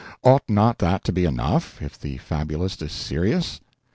Ought not that to be enough, if the fabulist is serious?